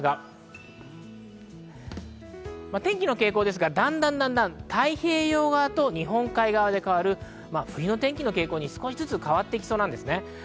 天気の傾向ですが、だんだん太平洋側と日本海側で変わる冬の天気の傾向に少しずつ変わっていきそうなんです。